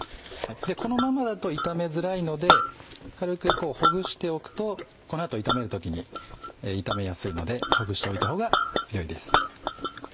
このままだと炒めづらいので軽くほぐしておくとこの後炒める時に炒めやすいのでほぐしておいたほうがよいです。